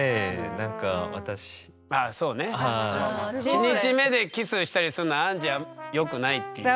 １日目でキスしたりするのはよくないっていう。